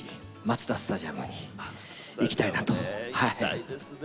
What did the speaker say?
マツダスタジアムね行きたいですね。